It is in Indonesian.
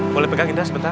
boleh pegang indra sebentar